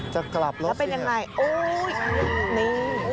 จะกลับรถสินะแล้วเป็นอย่างไรโอ้โฮนี่